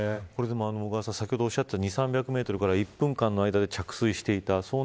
小川さん、先ほどおっしゃった２、３００メートルから１分間の間に着水していた。